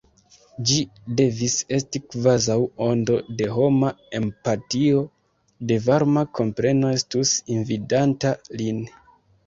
Ĝi devis esti kvazaŭ ondo de homa empatio, de varma kompreno estus invadanta lin.